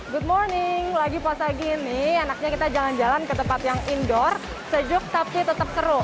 good morning lagi puasa gini enaknya kita jalan jalan ke tempat yang indoor sejuk tapi tetap seru